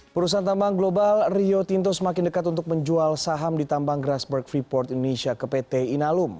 perusahaan tambang global rio tinto semakin dekat untuk menjual saham di tambang grasberg freeport indonesia ke pt inalum